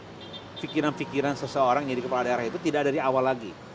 jadi pikiran pikiran seseorang jadi kepala daerah itu tidak dari awal lagi